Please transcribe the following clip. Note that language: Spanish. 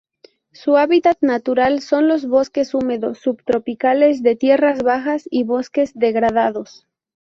Su hábitat natural son los bosques húmedos subtropicales de tierras bajas y bosques degradados.